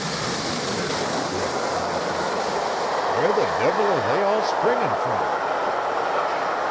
666 the exclamation: "Where the divil are they all springin' from?"